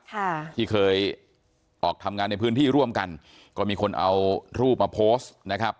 ค่ะที่เคยออกทำงานในพื้นที่ร่วมกันก็มีคนเอารูปมาโพสต์นะครับ